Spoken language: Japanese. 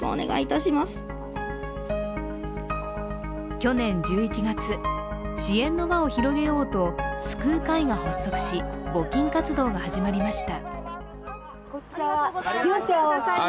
去年１１月、支援の輪を広げようと救う会が発足し募金活動が始まりました。